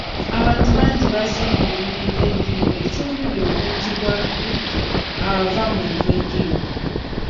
Abantu bangi bazze mu kulima enva endiirwa ekyongedde ku bungi bwa butto ava mu nva endiirwa.